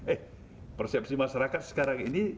eh persepsi masyarakat sekarang ini